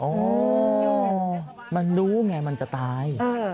อ๋อมันรู้ไงมันจะตาย